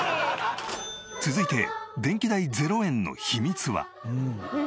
続いて電気代０円の秘密は。